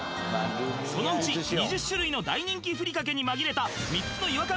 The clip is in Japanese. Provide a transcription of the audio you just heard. そのうち２０種類の大人気ふりかけに紛れた３つの違和感